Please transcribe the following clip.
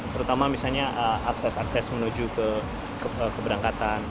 terutama misalnya akses akses menuju ke keberangkatan